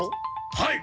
はい。